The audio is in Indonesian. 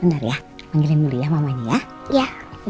bentar ya panggilin dulu ya mamanya ya